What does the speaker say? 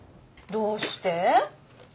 どうして？